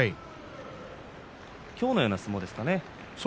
今日のような相撲ですかね。